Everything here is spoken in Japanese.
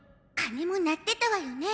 鐘も鳴ってたわよね。